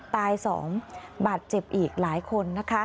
ตาย๒บาดเจ็บอีกหลายคนนะคะ